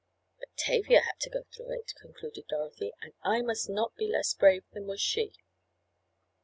"But Tavia had to go through it," concluded Dorothy, "and I must not be less brave than was she."